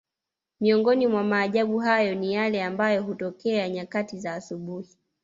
Miongoni mwa maajabu hayo ni yale ambayo hutokea nyakati za asubuhi